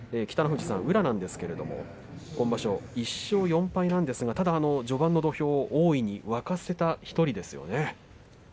北の富士さん、宇良ですけども今場所１勝４敗なんですが序盤の土俵を大いに沸かせた１人ですよね。